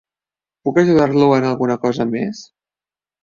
Puc ajudar-lo en alguna cosa més?